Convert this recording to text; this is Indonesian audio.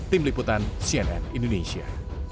tim liputan cnn indonesia